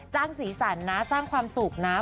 สร้างสีสันนะสร้างความสุขนะ